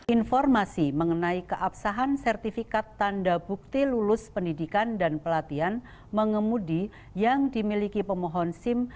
informasi mengenai keabsahan sertifikat tanda bukti lulus pendidikan dan pelatihan mengemudi yang dimiliki pemohon sim